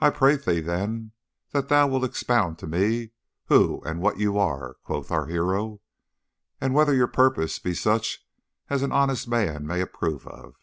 "'I prythee, then, that thou wilt expound to me who and what ye are,' quoth our hero, 'and whether your purpose be such as an honest man may approve of.